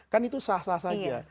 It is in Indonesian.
kan itu sah sah saja